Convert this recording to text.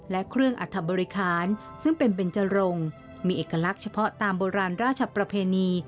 และเครื่องอัธบริคารซึ่งเป็นเบนจรงมีเอกลักษณ์เฉพาะตามโบราณราชประเพณี